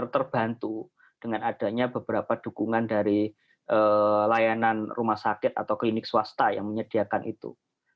terbantu dengan adanya beberapa dukungan dari layanan rumah sakit atau klinik swasta yang menyediakan itu